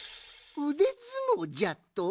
うでずもうじゃと！？